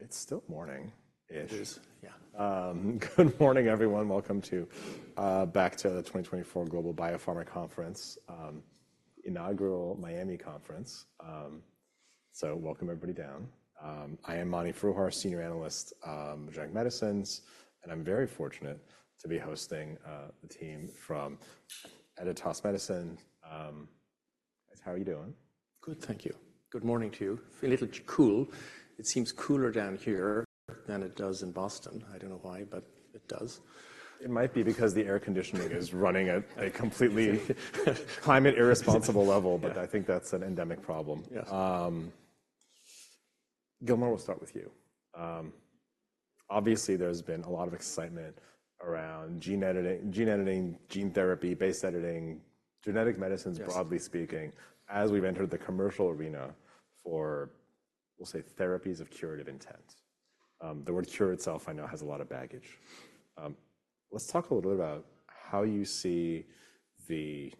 it's still morning-ish. It is, yeah. Good morning, everyone. Welcome to, back to the 2024 Global Biopharma Conference, inaugural Miami Conference. So welcome everybody down. I am Mani Foroohar, Senior Analyst of Genetic Medicines, and I'm very fortunate to be hosting the team from Editas Medicine. Guys, how are you doing? Good, thank you. Good morning to you. Feel a little cool. It seems cooler down here than it does in Boston. I don't know why, but it does. It might be because the air conditioning is running at a completely climate-irresponsible level, but I think that's an endemic problem. Yes. Gilmore, we'll start with you. Obviously there's been a lot of excitement around gene editing, gene editing, gene therapy, base editing, genetic medicines, broadly speaking, as we've entered the commercial arena for, we'll say, therapies of curative intent. The word "cure" itself, I know, has a lot of baggage. Let's talk a little bit about how you see the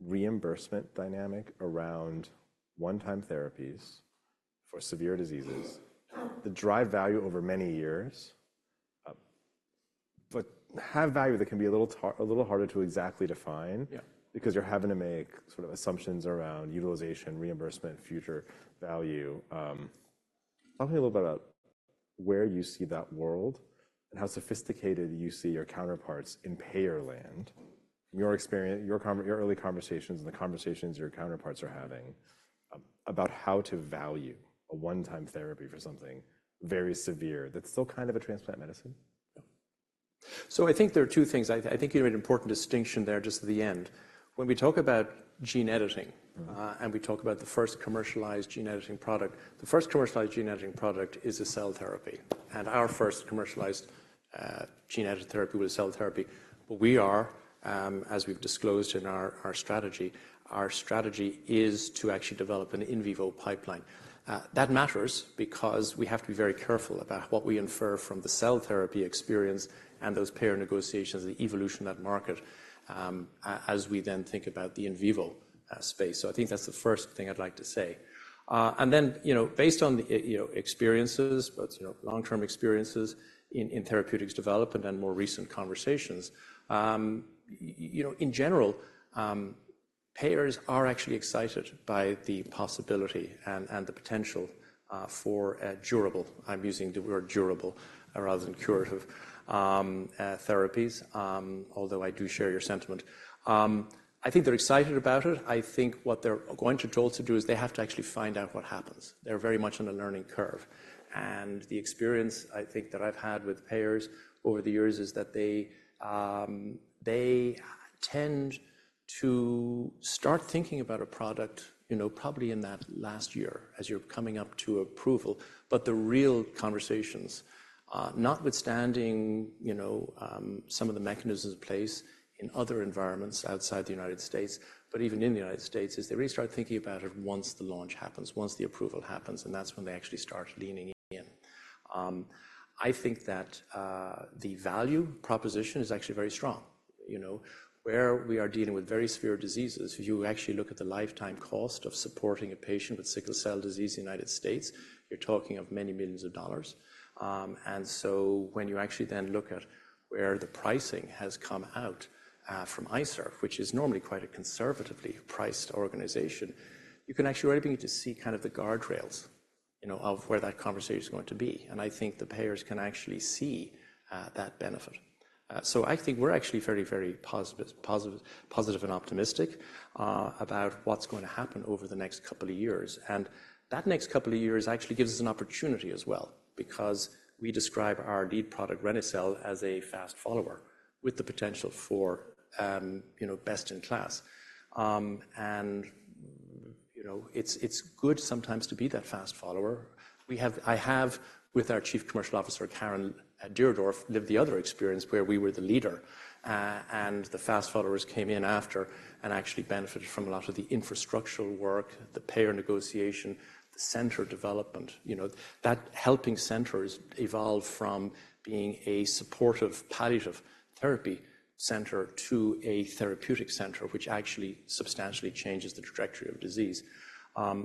reimbursement dynamic around one-time therapies for severe diseases, the drive value over many years, but have value that can be a little harder to exactly define. Yeah. Because you're having to make sort of assumptions around utilization, reimbursement, future value. Talk to me a little bit about where you see that world and how sophisticated you see your counterparts in payer land, your experience, your con—your early conversations, and the conversations your counterparts are having, about how to value a one-time therapy for something very severe that's still kind of a transplant medicine. Yeah. I think there are two things. I think you made an important distinction there just at the end. When we talk about gene editing, and we talk about the first commercialized gene editing product, the first commercialized gene editing product is a cell therapy. And our first commercialized, gene-edited therapy was a cell therapy. What we are, as we've disclosed in our strategy, our strategy is to actually develop an in vivo pipeline. That matters because we have to be very careful about what we infer from the cell therapy experience and those payer negotiations, the evolution of that market, as we then think about the in vivo space. I think that's the first thing I'd like to say. Then, you know, based on the you know experiences but you know long-term experiences in therapeutics development and more recent conversations, you know, in general, payers are actually excited by the possibility and the potential for durable—I'm using the word "durable" rather than "curative"—therapies, although I do share your sentiment. I think they're excited about it. I think what they're going to draw to do is they have to actually find out what happens. They're very much on a learning curve. The experience I think that I've had with payers over the years is that they tend to start thinking about a product, you know, probably in that last year as you're coming up to approval. But the real conversations, notwithstanding, you know, some of the mechanisms in place in other environments outside the United States, but even in the United States, is they really start thinking about it once the launch happens, once the approval happens, and that's when they actually start leaning in. I think that, the value proposition is actually very strong. You know, where we are dealing with very severe diseases, if you actually look at the lifetime cost of supporting a patient with sickle cell disease in the United States, you're talking of many millions of dollars. And so when you actually then look at where the pricing has come out, from ICER, which is normally quite a conservatively priced organization, you can actually already begin to see kind of the guardrails, you know, of where that conversation's going to be. And I think the payers can actually see, that benefit. So, I think we're actually very, very positive, positive, positive and optimistic, about what's going to happen over the next couple of years. That next couple of years actually gives us an opportunity as well because we describe our lead product, reni-cel, as a fast follower with the potential for, you know, best in class. You know, it's, it's good sometimes to be that fast follower. We have, I have, with our Chief Commercial Officer, Karen Deardorff, lived the other experience where we were the leader, and the fast followers came in after and actually benefited from a lot of the infrastructural work, the payer negotiation, the center development, you know, that helping centers evolve from being a supportive, palliative therapy center to a therapeutic center, which actually substantially changes the trajectory of disease.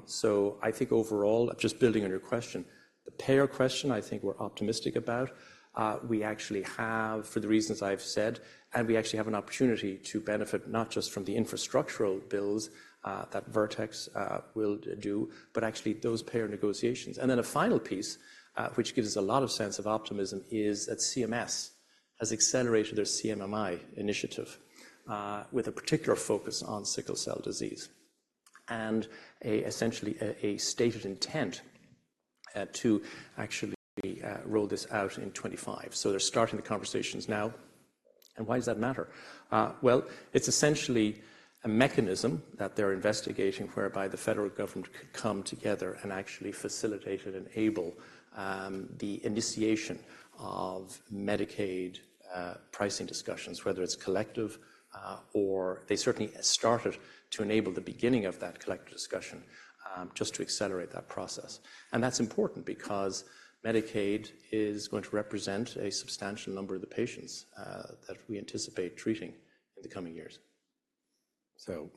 So I think overall, just building on your question, the payer question I think we're optimistic about, we actually have, for the reasons I've said, and we actually have an opportunity to benefit not just from the infrastructural bills that Vertex will do, but actually those payer negotiations. Then a final piece, which gives us a lot of sense of optimism, is that CMS has accelerated their CMMI initiative, with a particular focus on sickle cell disease and essentially a stated intent to actually roll this out in 2025. So they're starting the conversations now. And why does that matter? Well, it's essentially a mechanism that they're investigating whereby the federal government could come together and actually facilitate and enable the initiation of Medicaid pricing discussions, whether it's collective, or they certainly started to enable the beginning of that collective discussion, just to accelerate that process. That's important because Medicaid is going to represent a substantial number of the patients, that we anticipate treating in the coming years. So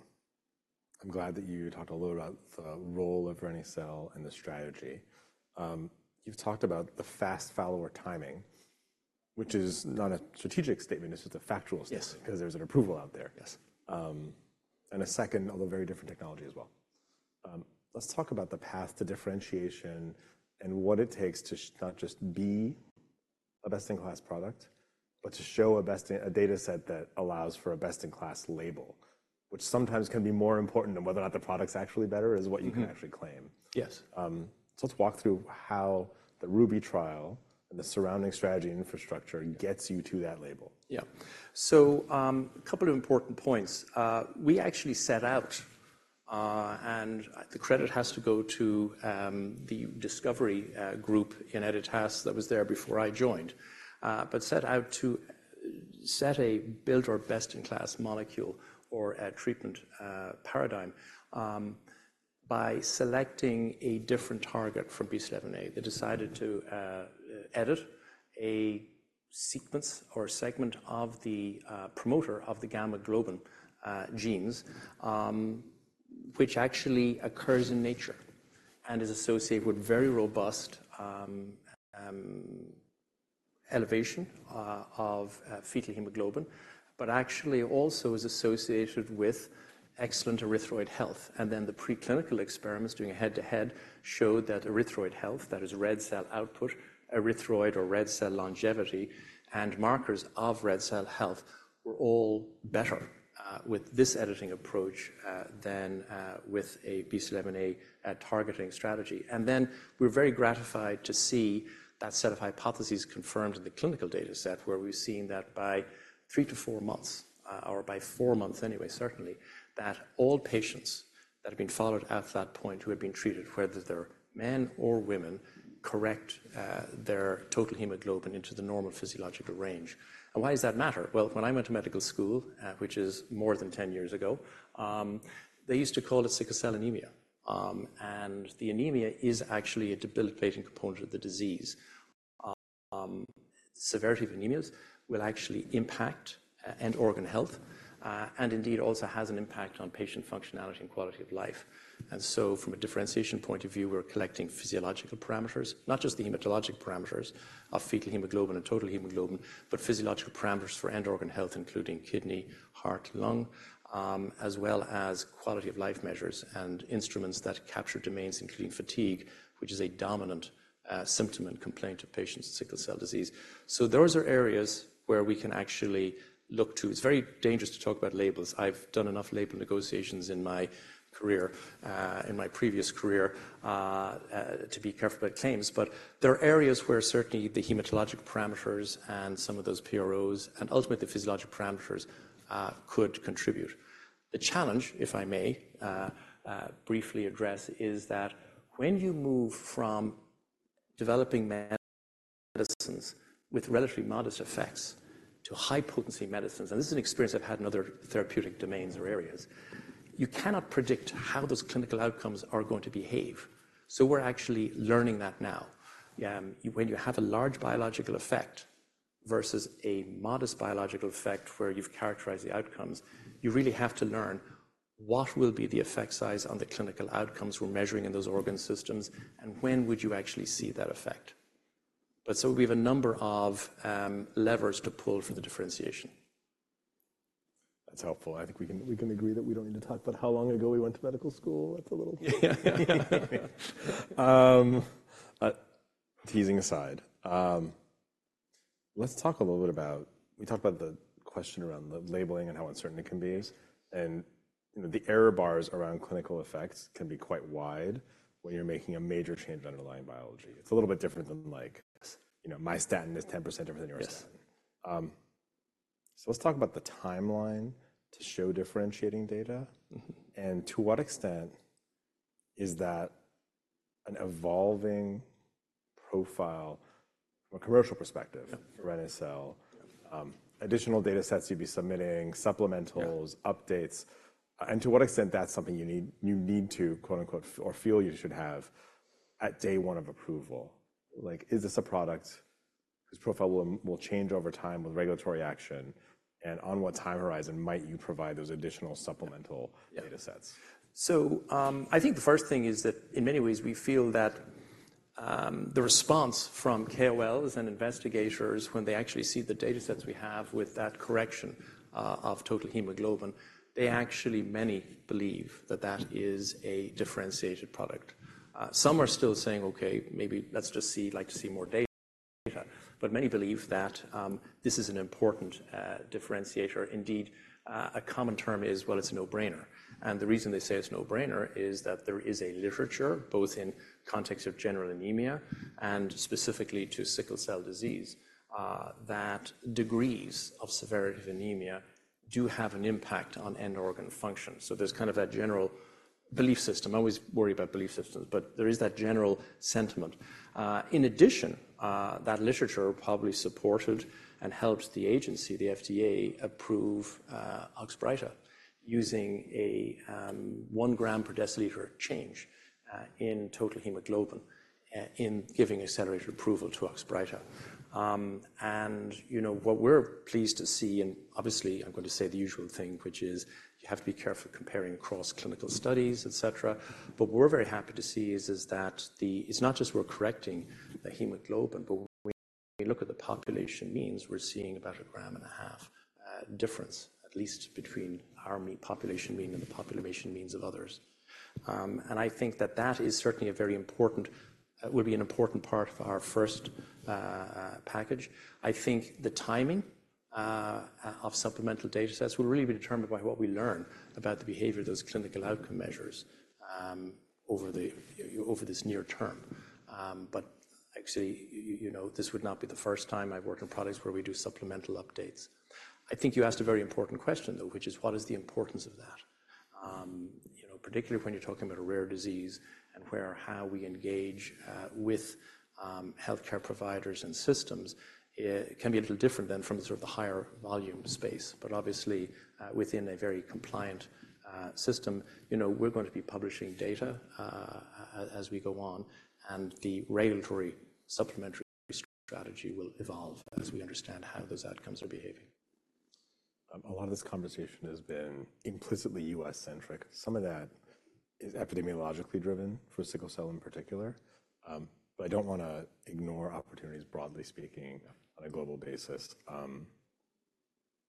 I'm glad that you talked a little about the role of reni-cel and the strategy. You've talked about the fast follower timing, which is not a strategic statement. It's just a factual statement. Yes. Because there's an approval out there. Yes. A second, although very different technology as well. Let's talk about the path to differentiation and what it takes to not just be a best-in-class product, but to show a best-in-class data set that allows for a best-in-class label, which sometimes can be more important than whether or not the product's actually better is what you can actually claim. Yes. Let's walk through how the RUBY trial and the surrounding strategy infrastructure gets you to that label. Yeah. So, a couple of important points. We actually set out, and the credit has to go to the discovery group in Editas that was there before I joined, but set out to set a built-or-best-in-class molecule or a treatment paradigm by selecting a different target from BCL11A. They decided to edit a sequence or a segment of the promoter of the gamma globin genes, which actually occurs in nature and is associated with very robust elevation of fetal hemoglobin, but actually also is associated with excellent erythroid health. And then the preclinical experiments doing a head-to-head showed that erythroid health, that is red cell output, erythroid or red cell longevity, and markers of red cell health were all better with this editing approach than with a BCL11A targeting strategy. And then we were very gratified to see that set of hypotheses confirmed in the clinical data set where we've seen that by 3-4 months, or by 4 months anyway, certainly, that all patients that have been followed at that point who had been treated, whether they're men or women, correct, their total hemoglobin into the normal physiological range. And why does that matter? Well, when I went to medical school, which is more than 10 years ago, they used to call it sickle cell anemia. And the anemia is actually a debilitating component of the disease. Severity of anemias will actually impact end organ health, and indeed also has an impact on patient functionality and quality of life. So from a differentiation point of view, we're collecting physiological parameters, not just the hematologic parameters of fetal hemoglobin and total hemoglobin, but physiological parameters for end organ health, including kidney, heart, lung, as well as quality of life measures and instruments that capture domains, including fatigue, which is a dominant symptom and complaint of patients with sickle cell disease. So those are areas where we can actually look to. It's very dangerous to talk about labels. I've done enough label negotiations in my career, in my previous career, to be careful about claims. But there are areas where certainly the hematologic parameters and some of those PROs and ultimately the physiologic parameters could contribute. The challenge, if I may, briefly address, is that when you move from developing medicines with relatively modest effects to high-potency medicines, and this is an experience I've had in other therapeutic domains or areas, you cannot predict how those clinical outcomes are going to behave. So we're actually learning that now. When you have a large biological effect versus a modest biological effect where you've characterized the outcomes, you really have to learn what will be the effect size on the clinical outcomes we're measuring in those organ systems, and when would you actually see that effect. So we have a number of levers to pull for the differentiation. That's helpful. I think we can agree that we don't need to talk. But how long ago we went to medical school? That's a little... Yeah. Teasing aside, let's talk a little bit about. We talked about the question around the labeling and how uncertain it can be. And, you know, the error bars around clinical effects can be quite wide when you're making a major change in underlying biology. It's a little bit different than, like, you know, my statin is 10% different than your statin. Yes. Let's talk about the timeline to show differentiating data. Mm-hmm. To what extent is that an evolving profile from a commercial perspective for reni-cel, additional data sets you'd be submitting, supplementals, updates? Yes. To what extent that's something you need—you need to, quote-unquote, or feel you should have at day one of approval? Like, is this a product whose profile will, will change over time with regulatory action? On what time horizon might you provide those additional supplemental data sets? Yeah. So, I think the first thing is that in many ways, we feel that the response from KOLs and investigators when they actually see the data sets we have with that correction of total hemoglobin, they actually, many believe that that is a differentiated product. Some are still saying, "Okay, maybe let's just see—like to see more data." But many believe that this is an important differentiator. Indeed, a common term is, "Well, it's a no-brainer." And the reason they say it's a no-brainer is that there is a literature, both in the context of general anemia and specifically to sickle cell disease, that degrees of severity of anemia do have an impact on end organ function. So there's kind of that general belief system, I always worry about belief systems, but there is that general sentiment. In addition, that literature probably supported and helped the agency, the FDA, approve Oxbryta using a 1 gram per deciliter change in total hemoglobin in giving accelerated approval to Oxbryta. And you know, what we're pleased to see, and obviously I'm going to say the usual thing, which is you have to be careful comparing cross-clinical studies, etc., but what we're very happy to see is that the, it's not just we're correcting the hemoglobin, but when we look at the population means, we're seeing about a 1.5-gram difference, at least between our population mean and the population means of others. And I think that that is certainly a very important, it will be an important part of our first package. I think the timing of supplemental data sets will really be determined by what we learn about the behavior of those clinical outcome measures over the, over this near term. But actually, you know, this would not be the first time I've worked on products where we do supplemental updates. I think you asked a very important question, though, which is, what is the importance of that? You know, particularly when you're talking about a rare disease and where or how we engage with healthcare providers and systems, it can be a little different than from the sort of the higher volume space. But obviously, within a very compliant system, you know, we're going to be publishing data as we go on, and the regulatory supplementary strategy will evolve as we understand how those outcomes are behaving. A lot of this conversation has been implicitly U.S.-centric. Some of that is epidemiologically driven for sickle cell in particular. But I don't want to ignore opportunities, broadly speaking, on a global basis,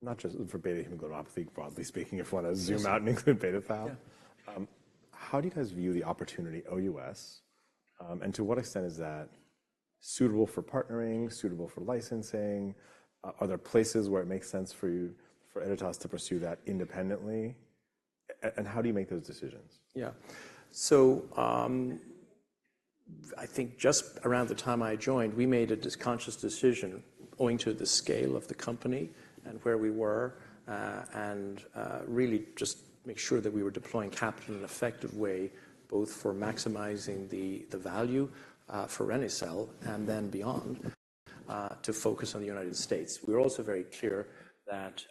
not just for beta hemoglobinopathy, broadly speaking, if you want to zoom out and include beta thalassemia. Yeah. How do you guys view the opportunity OUS? And to what extent is that suitable for partnering, suitable for licensing? Are there places where it makes sense for you, for Editas to pursue that independently? And how do you make those decisions? Yeah. So, I think just around the time I joined, we made a conscious decision owing to the scale of the company and where we were, and really just make sure that we were deploying capital in an effective way, both for maximizing the value for reni-cel and then beyond, to focus on the United States. We were also very clear that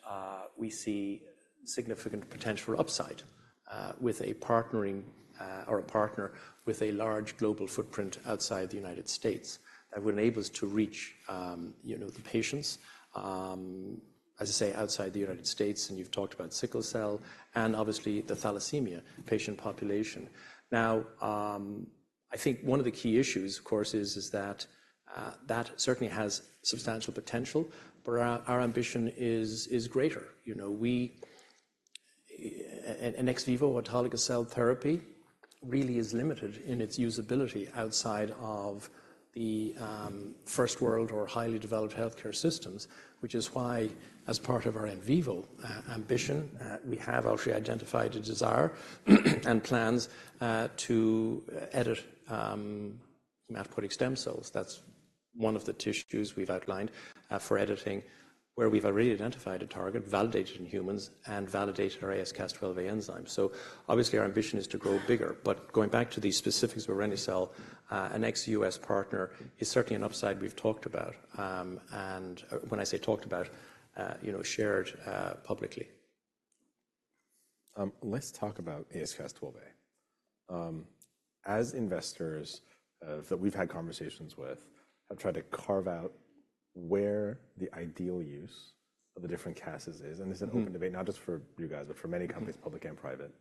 we see significant potential upside with a partnering, or a partner with a large global footprint outside the United States that would enable us to reach, you know, the patients, as I say, outside the United States. And you've talked about sickle cell and obviously the thalassemia patient population. Now, I think one of the key issues, of course, is that that certainly has substantial potential, but our ambition is greater. You know, we—an ex vivo autologous cell therapy really is limited in its usability outside of the, first world or highly developed healthcare systems, which is why, as part of our in vivo ambition, we have actually identified a desire and plans, to edit, hematopoietic stem cells. That's one of the tissues we've outlined, for editing, where we've already identified a target, validated in humans, and validated our AsCas12a enzyme. So obviously, our ambition is to grow bigger. But going back to the specifics for reni-cel, an ex-US partner is certainly an upside we've talked about. And when I say talked about, you know, shared, publicly. Let's talk about AsCas12a. As investors that we've had conversations with have tried to carve out where the ideal use of the different Cas's is - and this is an open debate, not just for you guys, but for many companies, public and private -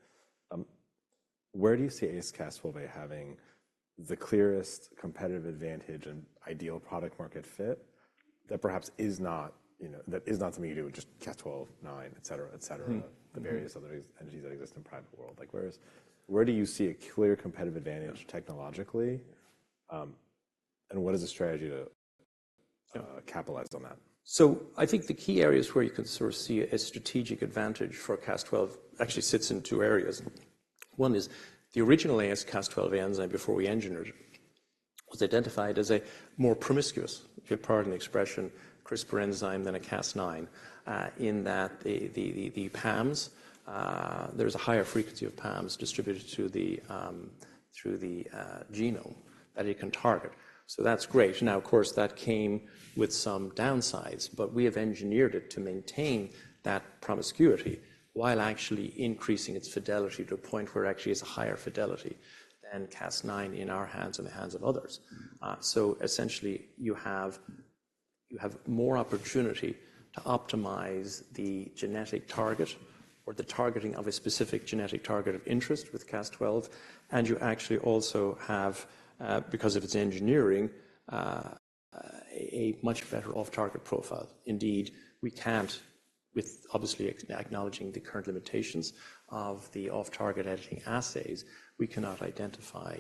where do you see AsCas12a having the clearest competitive advantage and ideal product-market fit that perhaps is not, you know, that is not something you do with just Cas9, etc., etc., the various other entities that exist in the private world? Like, where is - where do you see a clear competitive advantage technologically? And what is the strategy to capitalize on that? So I think the key areas where you can sort of see a strategic advantage for Cas12a actually sits in two areas. One is the original AsCas12a enzyme before we engineered it was identified as a more promiscuous, if you'll pardon the expression, CRISPR enzyme than a Cas9, in that the PAMs, there's a higher frequency of PAMs distributed through the genome that it can target. So that's great. Now, of course, that came with some downsides. But we have engineered it to maintain that promiscuity while actually increasing its fidelity to a point where it actually is a higher fidelity than Cas9 in our hands and the hands of others. So essentially, you have more opportunity to optimize the genetic target or the targeting of a specific genetic target of interest with Cas12a. And you actually also have, because of its engineering, a much better off-target profile. Indeed, we can't, with obviously acknowledging the current limitations of the off-target editing assays, we cannot identify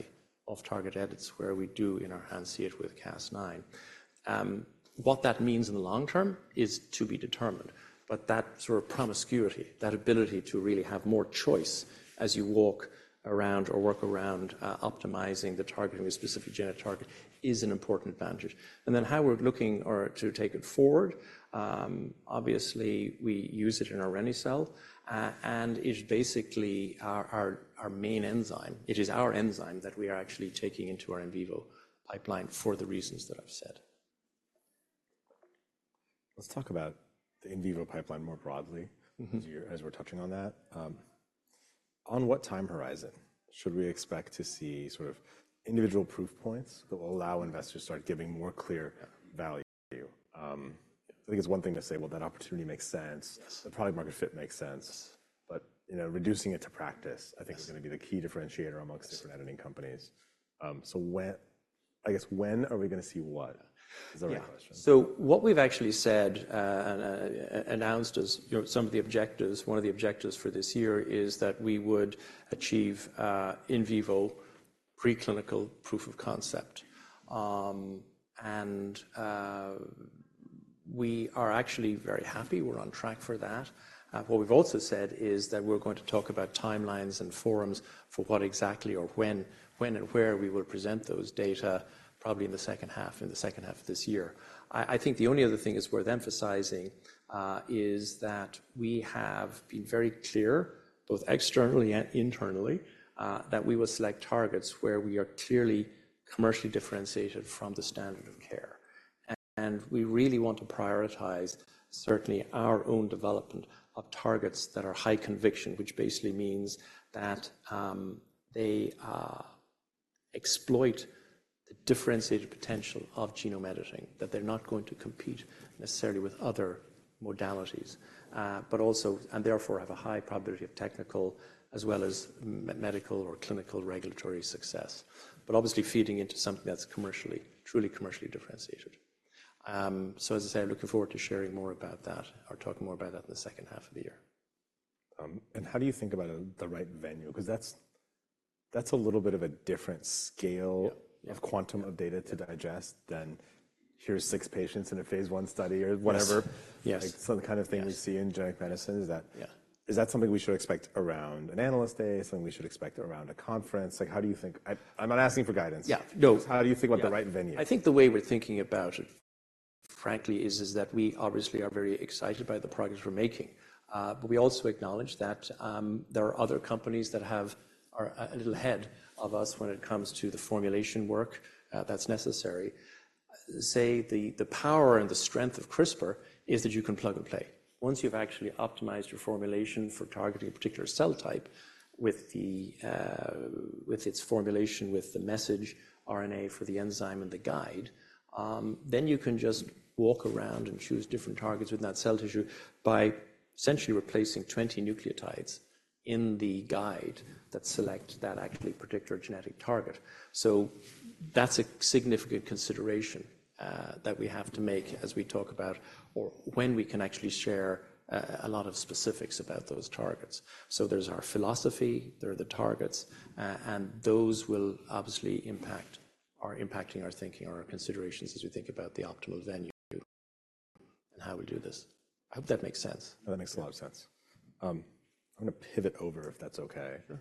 off-target edits where we do in our hands see it with Cas9. What that means in the long term is to be determined. But that sort of promiscuity, that ability to really have more choice as you walk around or work around, optimizing the targeting, the specific genetic target, is an important advantage. And then how we're looking or to take it forward, obviously, we use it in our reni-cel, and it's basically our main enzyme. It is our enzyme that we are actually taking into our in vivo pipeline for the reasons that I've said. Let's talk about the in vivo pipeline more broadly. Mm-hmm. As we're touching on that, on what time horizon should we expect to see sort of individual proof points that will allow investors to start giving more clear value? I think it's one thing to say, "Well, that opportunity makes sense. The product-market fit makes sense. Yes. You know, reducing it to practice, I think. Yes. Is going to be the key differentiator amongst different editing companies. So when, I guess, when are we going to see what? Is that the right question? Yeah. So what we've actually said and announced as, you know, some of the objectives—one of the objectives for this year is that we would achieve in vivo preclinical proof of concept. We are actually very happy. We're on track for that. What we've also said is that we're going to talk about timelines and forums for what exactly or when, when and where we will present those data, probably in the second half—in the second half of this year. I think the only other thing worth emphasizing is that we have been very clear, both externally and internally, that we will select targets where we are clearly commercially differentiated from the standard of care. We really want to prioritize, certainly, our own development of targets that are high conviction, which basically means that, they, exploit the differentiated potential of genome editing, that they're not going to compete necessarily with other modalities, but also—and therefore have a high probability of technical as well as medical or clinical regulatory success, but obviously feeding into something that's commercially—truly commercially differentiated. So as I say, I'm looking forward to sharing more about that or talking more about that in the second half of the year. How do you think about the right venue? Because that's, that's a little bit of a different scale. Yeah. A quantum of data to digest than here's 6 patients in a phase 1 study or whatever. Yes. Yes. Like some kind of thing we see in genetic medicine. Is that? Yeah. Is that something we should expect around an analyst day, something we should expect around a conference? Like, how do you think, I'm not asking for guidance. Yeah. No. How do you think about the right venue? I think the way we're thinking about it, frankly, is that we obviously are very excited by the progress we're making. But we also acknowledge that there are other companies that are a little ahead of us when it comes to the formulation work that's necessary. Say, the power and the strength of CRISPR is that you can plug and play. Once you've actually optimized your formulation for targeting a particular cell type with its formulation, with the message RNA for the enzyme and the guide, then you can just walk around and choose different targets within that cell tissue by essentially replacing 20 nucleotides in the guide that select that actually particular genetic target. So that's a significant consideration that we have to make as we talk about or when we can actually share a lot of specifics about those targets. So there's our philosophy. There are the targets. And those will obviously impact or are impacting our thinking or our considerations as we think about the optimal venue and how we'll do this. I hope that makes sense. That makes a lot of sense. I'm going to pivot over, if that's okay. Sure.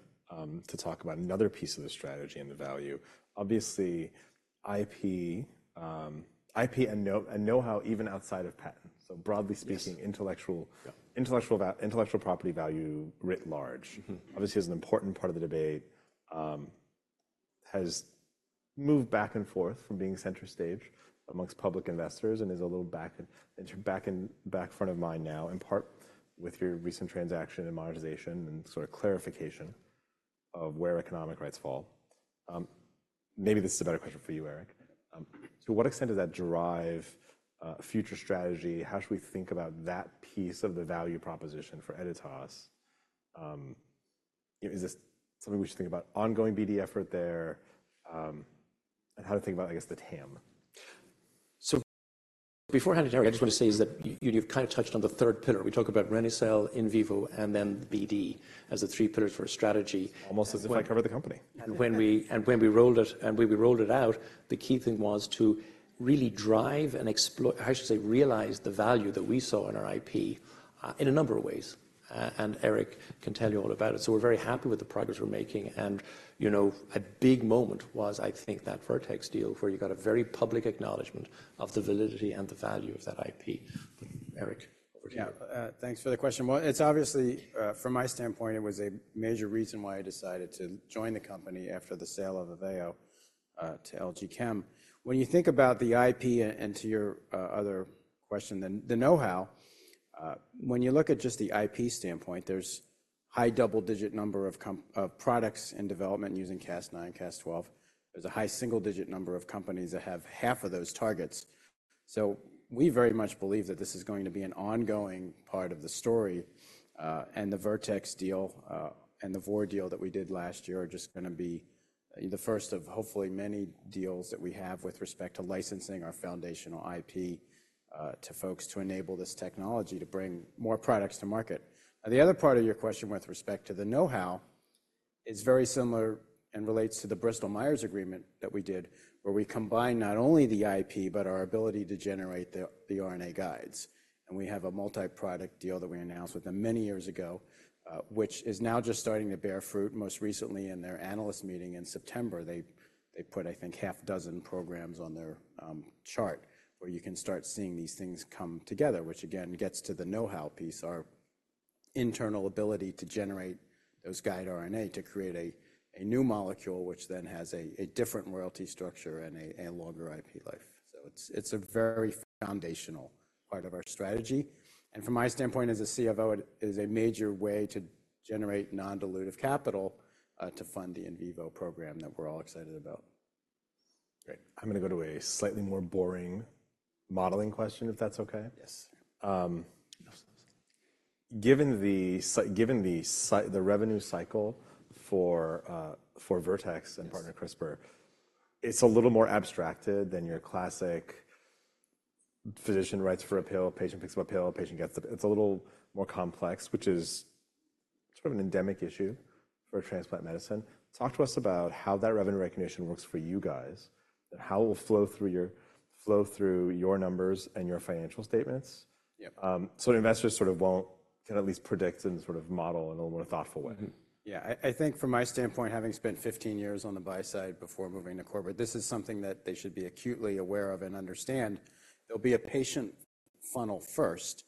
to talk about another piece of the strategy and the value. Obviously, IP and know-how even outside of patent. So broadly speaking. Yes. Intellectual. Yes. Intellectual property value writ large. Mm-hmm. Obviously, as an important part of the debate, has moved back and forth from being center stage amongst public investors and is a little back in front of mind now, in part with your recent transaction and monetization and sort of clarification of where economic rights fall. Maybe this is a better question for you, Erick. To what extent does that drive future strategy? How should we think about that piece of the value proposition for Editas? You know, is this something we should think about? Ongoing BD effort there? And how to think about, I guess, the TAM? Before handing it over, I just want to say is that you've kind of touched on the third pillar. We talked about reni-cel in vivo and then BD as the three pillars for a strategy. Almost as if I covered the company. And when we rolled it out, the key thing was to really drive and explore, how should I say, realize the value that we saw in our IP, in a number of ways. And Erick can tell you all about it. So we're very happy with the progress we're making. And, you know, a big moment was, I think, that Vertex deal where you got a very public acknowledgment of the validity and the value of that IP. But Erick, over to you. Yeah. Thanks for the question. Well, it's obviously, from my standpoint, it was a major reason why I decided to join the company after the sale of AVEO to LG Chem. When you think about the IP and to your other question, the know-how, when you look at just the IP standpoint, there's a high double-digit number of companies or products in development using Cas9, Cas12a. There's a high single-digit number of companies that have half of those targets. So we very much believe that this is going to be an ongoing part of the story. The Vertex deal, and the VOR deal that we did last year are just going to be, you know, the first of hopefully many deals that we have with respect to licensing our foundational IP to folks to enable this technology to bring more products to market. Now, the other part of your question with respect to the know-how is very similar and relates to the Bristol-Myers Agreement that we did, where we combine not only the IP but our ability to generate the RNA guides. And we have a multi-product deal that we announced with them many years ago, which is now just starting to bear fruit. Most recently, in their analyst meeting in September, they put, I think, half a dozen programs on their chart where you can start seeing these things come together, which again gets to the know-how piece, our internal ability to generate those guide RNA to create a new molecule, which then has a different royalty structure and a longer IP life. So it's a very foundational part of our strategy. From my standpoint, as a CFO, it is a major way to generate non-dilutive capital, to fund the in vivo program that we're all excited about. Great. I'm going to go to a slightly more boring modeling question, if that's okay. Yes. given the revenue cycle for Vertex and partner CRISPR. Yes. It's a little more abstracted than your classic physician writes for a pill, patient picks up a pill, patient gets the. It's a little more complex, which is sort of an endemic issue for transplant medicine. Talk to us about how that revenue recognition works for you guys and how it will flow through your numbers and your financial statements. Yeah. So investors sort of want to at least predict and sort of model in a little more thoughtful way. Mm-hmm. Yeah. I think from my standpoint, having spent 15 years on the buy side before moving to corporate, this is something that they should be acutely aware of and understand. There'll be a patient funnel first.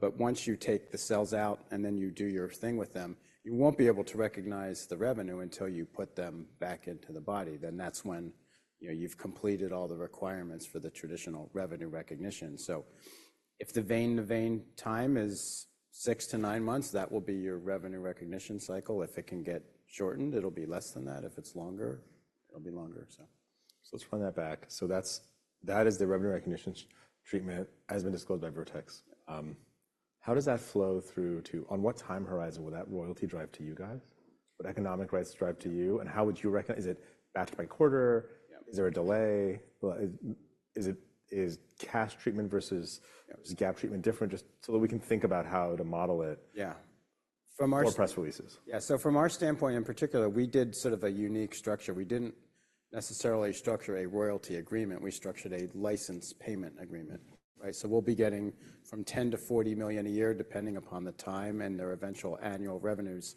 But once you take the cells out and then you do your thing with them, you won't be able to recognize the revenue until you put them back into the body. Then that's when, you know, you've completed all the requirements for the traditional revenue recognition. So if the vein-to-vein time is 6-9 months, that will be your revenue recognition cycle. If it can get shortened, it'll be less than that. If it's longer, it'll be longer, so. So let's run that back. So that's—that is the revenue recognition treatment has been disclosed by Vertex. How does that flow through to—on what time horizon will that royalty drive to you guys? Would economic rights drive to you? And how would you recognize—is it batch by quarter? Yeah. Is there a delay? Well, is it Casgevy treatment versus. Yeah. Is GAAP treatment different? Just so that we can think about how to model it. Yeah. From our. Or press releases. Yeah. So from our standpoint in particular, we did sort of a unique structure. We didn't necessarily structure a royalty agreement. We structured a license payment agreement, right? So we'll be getting from $10 million-$40 million a year, depending upon the time and their eventual annual revenues.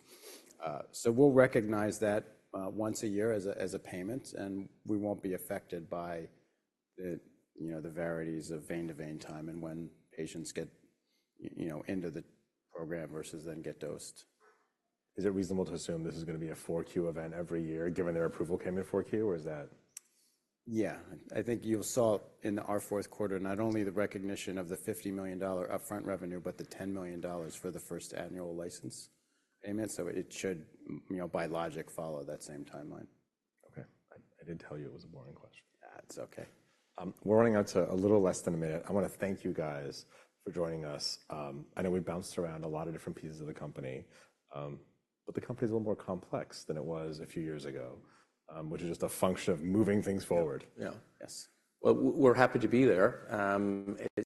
So we'll recognize that, once a year as a payment. And we won't be affected by the, you know, the varieties of vein-to-vein time and when patients get, you know, into the program versus then get dosed. Is it reasonable to assume this is going to be a 4Q event every year, given their approval came in 4Q, or is that? Yeah. I, I think you saw in our fourth quarter not only the recognition of the $50 million upfront revenue, but the $10 million for the first annual license payment. So it should, you know, by logic, follow that same timeline. Okay. I didn't tell you it was a boring question. Yeah. It's okay. We're running out to a little less than a minute. I want to thank you guys for joining us. I know we bounced around a lot of different pieces of the company. But the company's a little more complex than it was a few years ago, which is just a function of moving things forward. Yeah. Yeah. Yes. Well, we're happy to be there.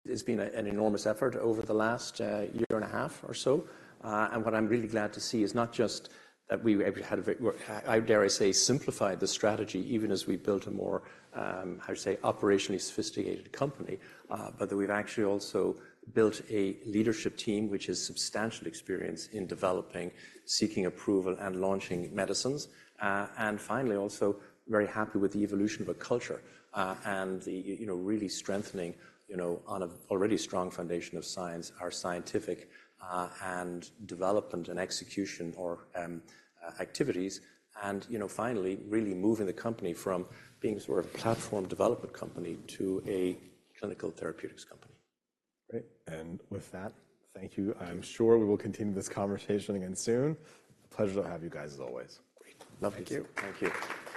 It's been an enormous effort over the last year and a half or so. And what I'm really glad to see is not just that we had a very—I dare I say—simplified the strategy even as we built a more, how should I say, operationally sophisticated company, but that we've actually also built a leadership team, which has substantial experience in developing, seeking approval, and launching medicines. And finally, also very happy with the evolution of a culture, and the, you know, really strengthening, you know, on an already strong foundation of science, our scientific, and development and execution or, activities. And, you know, finally, really moving the company from being sort of a platform development company to a clinical therapeutics company. Great. With that, thank you. I'm sure we will continue this conversation again soon. A pleasure to have you guys, as always. Great. Love you. Thank you. Thank you.